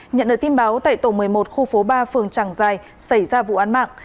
nhận được tin báo tại tổ một mươi một khu phố ba phường tràng giài xảy ra vụ án mạng